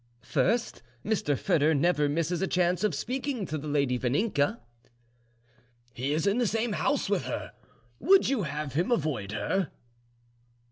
"First, Mr. Foedor never misses a chance of speaking to the lady Vaninka." "He is in the same house with her, would you have him avoid her?"